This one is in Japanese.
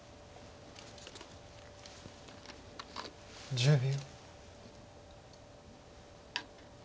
１０秒。